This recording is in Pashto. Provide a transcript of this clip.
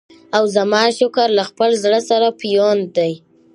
او زما شکر له خپل زړه سره پیوند دی